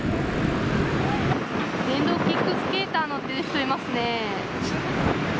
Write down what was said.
電動キックスケーター、乗っている人、いますね。